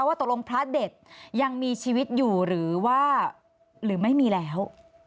ว่าตกลงพระเด็ดยังมีชีวิตอยู่หรือว่าหรือไม่มีแล้ว